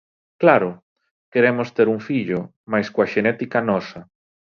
Claro, queremos ter un fillo, mais coa xenética nosa.